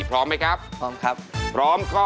พร้อมไหมครับพร้อมครับพร้อมครับ